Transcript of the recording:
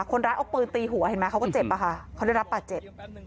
คนร้ายเอาปืนตีหัวเห็นไหมเขาก็เจ็บอะค่ะเขาได้รับบาดเจ็บ